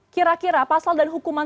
kira kira pasal dan hukuman